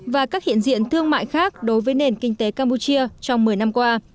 và các hiện diện thương mại khác đối với nền kinh tế campuchia trong một mươi năm qua